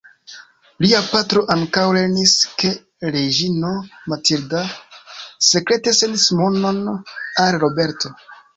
Lia patro ankaŭ lernis ke Reĝino Matilda sekrete sendis monon al Roberto.